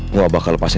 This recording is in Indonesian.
gua bakal lepasin dia